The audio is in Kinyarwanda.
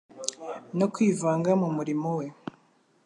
no kwivanga mu murimo We